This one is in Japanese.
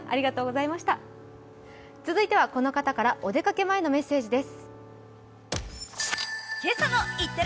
続いてはこの方からお出かけ前のメッセージです。